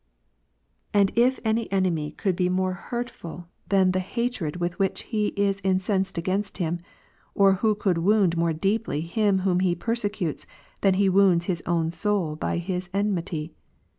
As if any enemy could be more hurtful than the hatred with which he is incensed against him ; or could wound more deeply him whom he persecutes, than he wounds his own soul by his enmity.